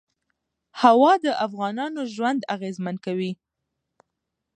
هوا د افغانانو ژوند اغېزمن کوي.